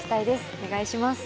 お願いします。